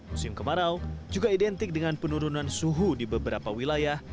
musim kemarau juga identik dengan penurunan suhu di beberapa wilayah